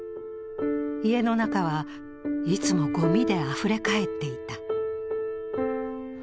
家の中はいつもごみであふれかえっていた。